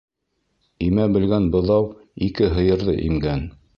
Имә белгән быҙау ике һыйырҙы имгән